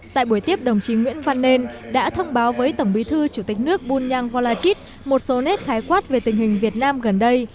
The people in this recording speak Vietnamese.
tại buổi tiếp đồng chí nguyễn văn nên đã thông báo với tổng bí thư chủ tịch nước bunyang volachit một số nét khái quát về tình hình việt nam gần đây